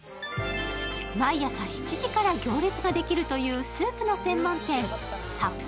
毎朝７時から行列ができるというスープの専門店、ＴａｐＴａｐ。